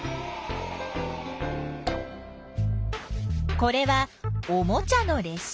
これはおもちゃのれっ車。